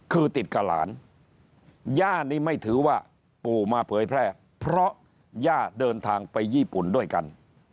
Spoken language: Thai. คือติดกับหลานย่านี่ไม่ถือว่าปู่มาเผยแพร่เพราะย่าเดินทางไปญี่ปุ่นด้วยกัน